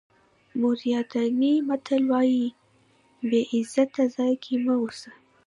موریتاني متل وایي بې عزته ځای کې مه اوسئ.